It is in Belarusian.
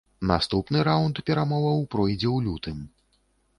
Наступны раунд перамоваў пройдзе ў лютым.